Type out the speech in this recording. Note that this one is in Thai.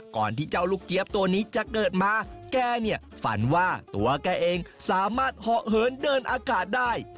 ที่เจ้าลูกเจี๊ยบตัวนี้จะเกิดมาแกเนี่ยฝันว่าตัวแกเองสามารถเหาะเหินเดินอากาศได้